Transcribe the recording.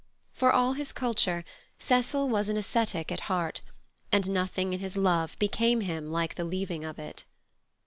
For all his culture, Cecil was an ascetic at heart, and nothing in his love became him like the leaving of it.